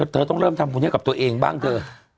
เธอต้องเริ่มทำบุญให้กับตัวเองบ้างเธอ